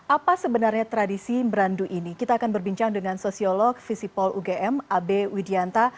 apa sebenarnya tradisi merandu ini kita akan berbincang dengan sosiolog visipol ugm abe widianta